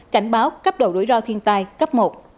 cảnh báo cấp độ rủi ro thiên tai cấp một